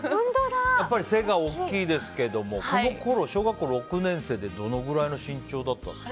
背が大きいですけどもこのころ、小学校６年生でどのくらいの身長だったんですか。